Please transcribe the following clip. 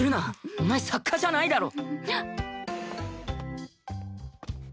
お前作家じゃないだろ